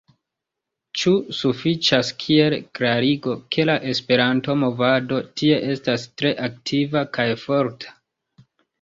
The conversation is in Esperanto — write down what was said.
Ĉu sufiĉas kiel klarigo, ke la Esperanto-movado tie estas tre aktiva kaj forta?